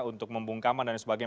untuk membungkam dan sebagainya